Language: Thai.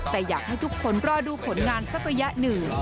แต่อยากให้ทุกคนรอดูผลงานสักระยะหนึ่ง